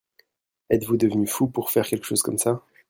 Êtes-vous devenu fou pour faire quelque chose comme ça ?